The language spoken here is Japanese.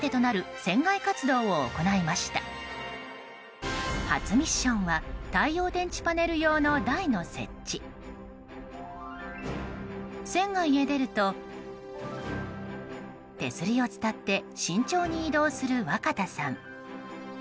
船外へ出ると手すりを伝って慎重に移動する若田さん。